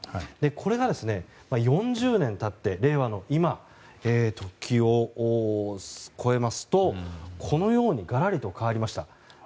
これが４０年経って令和の今時を超えますとこのようにガラリと変わりました。